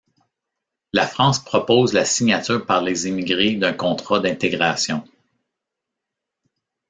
La France propose la signature par les immigrés d'un contrat d'intégration.